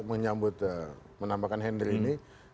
menyambut menambahkan henry ini